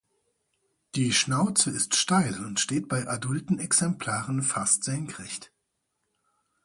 Die Schnauze ist steil und steht bei adulten Exemplaren fast senkrecht.